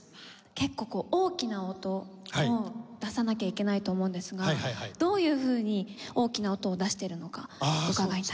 結構大きな音を出さなきゃいけないと思うんですがどういうふうに大きな音を出しているのか伺いたいです。